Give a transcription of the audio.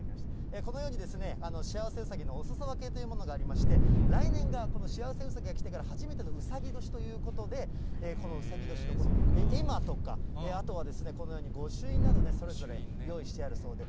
このように、幸せうさぎのおすそ分けというものがありまして、来年がこの幸せうさぎが来てから初めてのうさぎ年ということで、このうさぎ年の絵馬とか、あとはこのように御朱印などね、それぞれ用意してあるそうです。